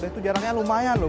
itu jarangnya lumayan loh